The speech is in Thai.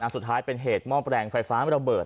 สุดท้ายเป็นเหตุหม้อแปลงไฟฟ้าระเบิด